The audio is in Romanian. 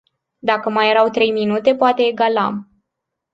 Dacă mai erau trei minute poate egalam.